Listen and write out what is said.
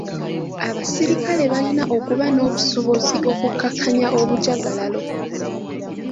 Abaserikale balina okuba n'obusobozi okukakkanya obujagalalo.